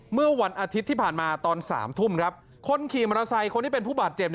เมื่อวันอาทิตย์ที่ผ่านมาตอน๓ทุ่มครับคนขี่มอเตอร์ไซค์คนที่เป็นผู้บาดเจ็บ